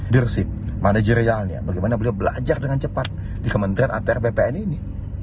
dearship manajerialnya bagaimana beliau belajar dengan cepat di kementerian atr bpn ini